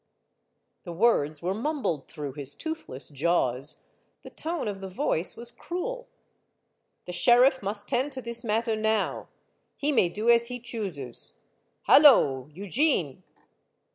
The words were mumbled through 8 114 Monday Tales, his toothless jaws ; the tone of the voice was cruel. ^'The sheriff must tend to this matter now. He may do as he chooses. Hallo !— Eugene